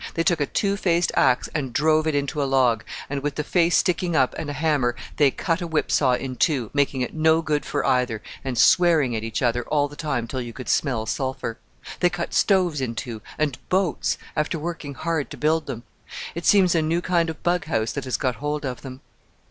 They took a two faced axe and drove it into a log, and with the face sticking up and a hammer they cut a whip saw in two, making it no good for either, and swearing at each other all the time till you could smell sulphur. They cut stoves in two, and boats, after working hard to build them. It seems a new kind of bughouse that has got hold of them."